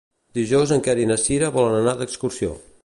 Dijous en Quer i na Cira volen anar d'excursió.